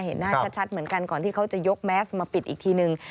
เห็นหน้าชัดเหมือนกันก่อนที่เขาจะยกแมสมาปิดอีกทีนึง